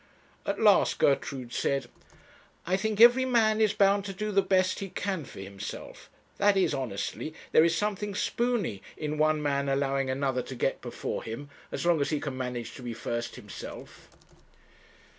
At last Gertrude said: 'I think every man is bound to do the best he can for himself that is, honestly; there is something spoony in one man allowing another to get before him, as long as he can manage to be first himself.'